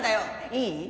いい？